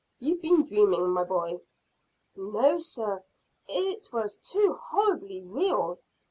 You've been dreaming, my boy." "Oh no, sir. It was too horribly real."